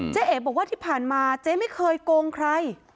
เอ๋บอกว่าที่ผ่านมาเจ๊ไม่เคยโกงใคร